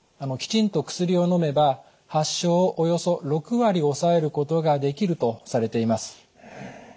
きちんと薬をのめば発症をおよそ６割抑えることができるとされています。